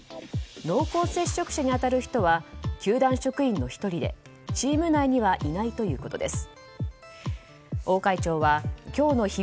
濃厚接触者に当たる人は球団職員の１人でチーム内にはいないということです。